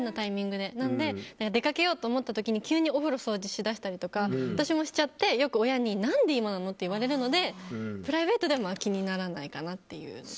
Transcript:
なので、出かけようと思った時に急にお風呂掃除しだしたりとか私もしちゃってよく親に何で今なの？って言われるのでプライベートでは気にならないかなと。